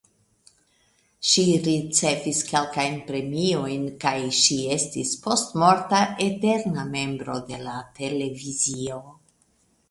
Ŝi ricevis kelkajn premiojn kaj ŝi estas postmorta "eterna membro de la televizio".